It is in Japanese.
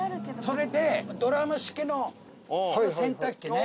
それでドラム式の洗濯機ね